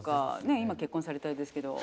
今結婚されたようですけど。